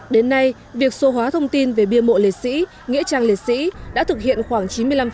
đến nay việc số hóa thông tin về bia mộ liệt sĩ nghĩa trang liệt sĩ đã thực hiện khoảng chín mươi năm